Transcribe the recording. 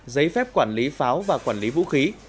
giấy phép quản lý pháo và quản lý vũ khí